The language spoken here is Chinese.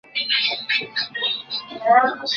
主席和行政总裁为韦杰。